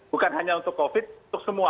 bukan hanya untuk covid untuk semua